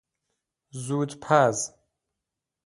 زودپز